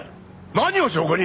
何を証拠に？